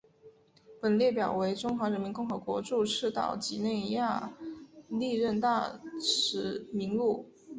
本列表为中华人民共和国驻赤道几内亚历任大使名录。